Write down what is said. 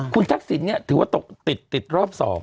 คุณทักษิณถือว่าตกติดรอบ๒